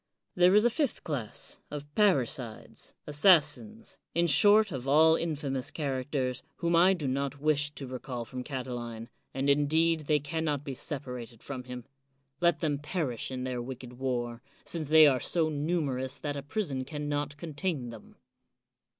There is a fifth class, of parricides, assassins, in short of all infamous characters, whom I do not wish to recall from Catiline, and indeed they can not be separated from him. Let them perish in their wicked war, since they are so numerous that a prison can not contain them.